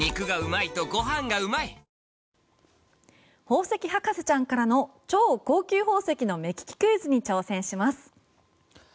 宝石博士ちゃんからの超高級宝石の目利きクイズに挑戦します！